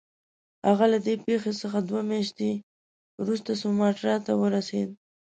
هغه له دې پیښې څخه دوې میاشتې وروسته سوماټرا ته ورسېد.